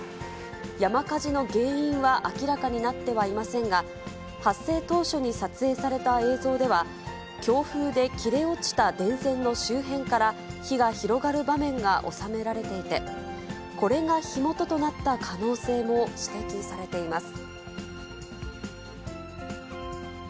山火事の原因は明らかになってはいませんが、発生当初に撮影された映像では、強風で切れ落ちた電線の周辺から、火が広がる場面が収められていて、これが火元となった可能性も指摘されています。